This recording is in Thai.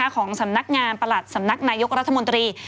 ของสำนักงานประหลัดสำนักนายกรัฐมนตรี